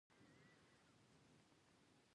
ډبرې سختې دي.